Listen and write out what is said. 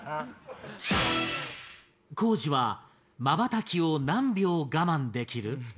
光司はまばたきを何秒我慢できる？